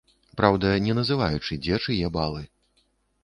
Праўда, не называючы, дзе чые балы.